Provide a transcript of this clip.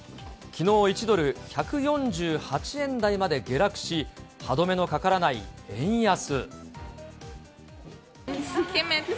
きのう、１ドル１４８円台まで下落し、歯止めのかからない円安。